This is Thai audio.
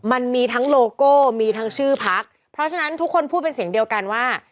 มันมีทั้งโลโก้มีทั้งชื่อพักเพราะฉะนั้นทุกคนพูดเป็นเสียงเดียวกันว่า